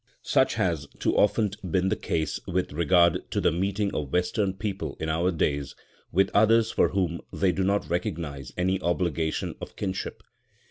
Such has, too often, been the case with regard to the meeting of Western people in our days with others for whom they do not recognise any obligation of kinship.